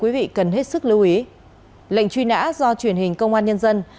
quý vị cần hết sức lưu ý lệnh truy nã do truyền hình công an nhân dân